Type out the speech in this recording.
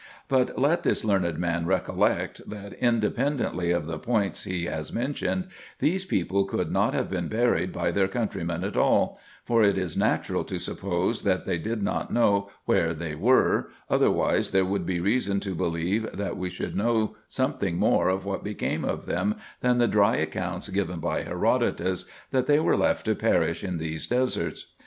But let this learned man recollect, that, independently of the points he has mentioned, these people could not have been buried by their countrymen at all ; for it is natural to suppose that they did not know where they were, otherwise there would be reason to believe that we should know something more of what became of them than the dry account given by Herodotus, that they were left to perish in these deserts.